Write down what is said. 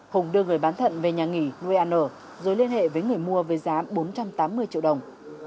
hùng đưa người bán thận về nhà nghỉ nuôi ăn ở rồi liên hệ với người mua với giá bốn trăm tám mươi triệu đồng